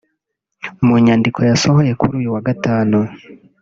mu nyandiko yasohoye kuri uyu wa Gatanu